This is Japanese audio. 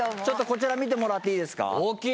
ちょっとこちら見てもらっていいですか？